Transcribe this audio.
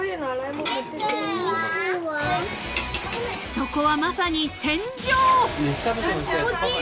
［そこはまさに戦場］